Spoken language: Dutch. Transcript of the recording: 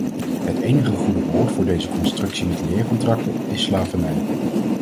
Het enige goede woord voor deze constructie met leercontracten is slavernij.